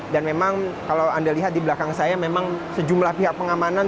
dan memang kalau anda lihat di belakang saya memang sejumlah pihak pengamanan